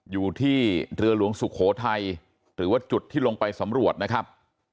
อยู่ที่เรือหลวงสุโขทัยหรือว่าจุดที่ลงไปสำรวจนะครับ